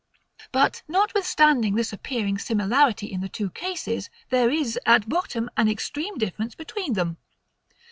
But notwithstanding this appearing similarity in the two cases, there is, at bottom, an extreme difference between them.